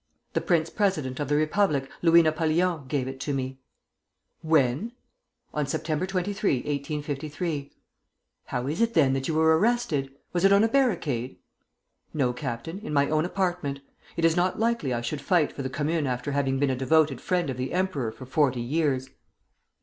'The prince president of the Republic, Louis Napoleon, gave it me.' 'When?' 'On September 23, 1853.' 'How is it, then, that you were arrested? Was it on a barricade?' 'No, Captain, in my own apartment. It is not likely I should fight for the Commune after having been a devoted friend of the emperor for forty years.'